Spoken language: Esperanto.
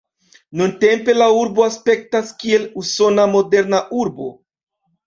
Nuntempe la urbo aspektas, kiel usona moderna urbo.